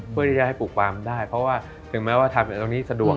เพื่อที่จะให้ปลูกปลามได้เพราะว่าถึงแม้ว่าทำตรงนี้สะดวก